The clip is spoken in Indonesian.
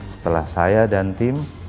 setelah saya dan tim